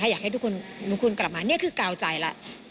อยากให้ทุกคนกลับมานี่คือกาวใจแล้ว